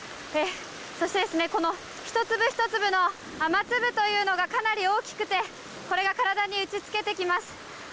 そして、１粒１粒の雨粒がかなり大きくてこれが体に打ち付けてきます。